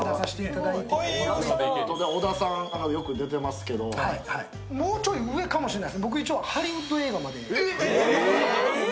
小田さん、よく出てますけどもうちょい上かもしれない。